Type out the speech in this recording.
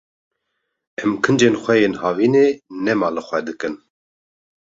Em kincên xwe yên havînê nema li xwe dikin.